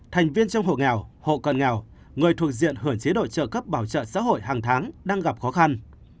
thành viên trong hộ nghèo hộ cận nghèo người thuộc diện hưởng chế độ trợ cấp bảo trợ xã hội hàng tháng đang gặp khó khăn